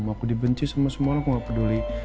mau aku dibenci sama semua lo aku gak peduli